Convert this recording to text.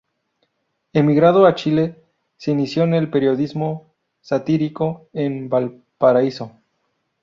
Emigrado a Chile, se inició en el periodismo satírico en Valparaíso.